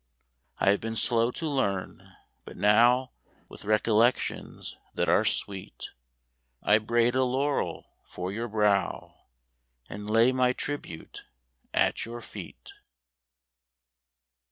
I have been slow to learn, but now, With recollections ■ that are sweet, I braid a laurel for your brow And lay my tribute at your eet.